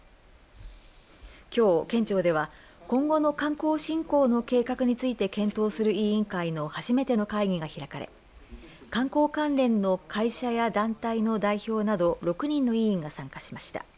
きょう、県庁では今後の観光振興の計画について検討する委員会の初めての会議が開かれ観光関連の会社や団体の代表など６人の委員が参加しました。